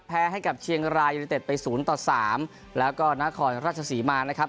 แพ้ให้กับเชียงรายุณเต็ดไปศูนย์ต่อสามแล้วก็นครรัชศรีมานะครับ